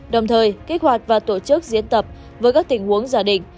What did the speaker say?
đồng thời kích hoạt và tổ chức diễn tập với các tình huống giả định